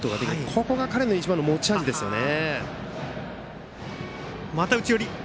ここが彼の一番の持ち味ですよね。